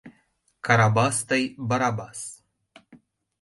Карабас тый Барабас